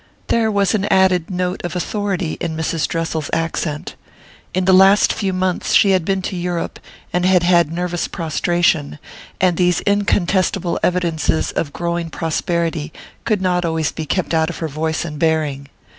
There was an added note of authority in Mrs. Dressel's accent. In the last few months she had been to Europe and had had nervous prostration, and these incontestable evidences of growing prosperity could not always be kept out of her voice and bearing.